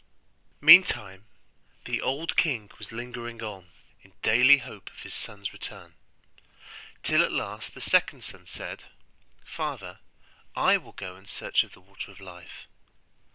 Meantime the old king was lingering on in daily hope of his son's return, till at last the second son said, 'Father, I will go in search of the Water of Life.